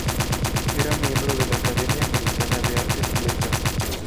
Era miembro de la Academia Americana de Artes y Letras.